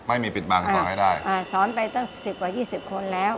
ไม่มีปิดบางสอนให้ได้อ่าสอนไปตั้ง๑๐กว่า๒๐คนแล้ว